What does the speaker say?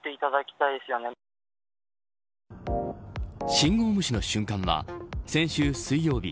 信号無視の瞬間は先週水曜日